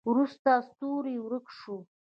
وروسته ستوری ورک شو.